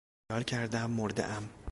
خیال کردم مردهام.